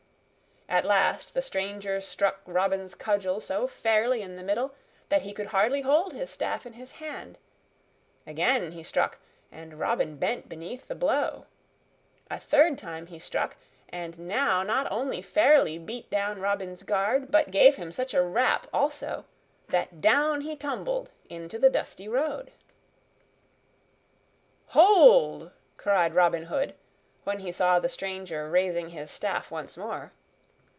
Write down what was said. At last the stranger struck Robin's cudgel so fairly in the middle that he could hardly hold his staff in his hand; again he struck, and Robin bent beneath the blow; a third time he struck, and now not only fairly beat down Robin's guard, but gave him such a rap, also, that down he tumbled into the dusty road. "Hold!" cried Robin Hood, when he saw the stranger raising his staff once more.